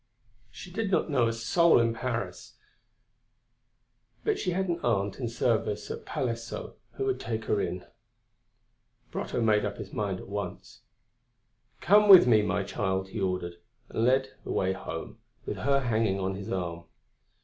She did not know a soul in Paris; but she had an aunt, in service at Palaiseau, who would take her in. Brotteaux made up his mind at once. "Come with me, my child," he ordered, and led the way home, with her hanging on his arm.